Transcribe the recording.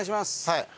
はい。